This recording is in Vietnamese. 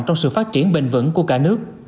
trong sự phát triển bền vững của cả nước